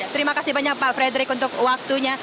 terima kasih banyak pak frederick untuk waktunya